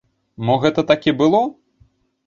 Мо гэта так і было?